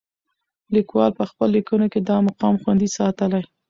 لیکوال په خپلو لیکنو کې دا مقام خوندي ساتلی.